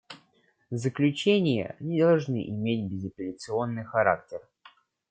Заключения не должны иметь безапелляционный характер.